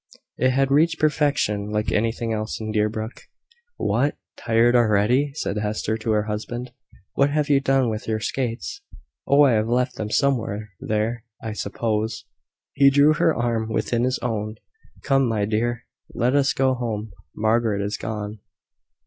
It had reached perfection, like everything else, in Deerbrook. "What! tired already?" said Hester to her husband. "What have you done with your skates?" "Oh, I have left them somewhere there, I suppose." He drew her arm within his own. "Come, my dear, let us go home. Margaret is gone."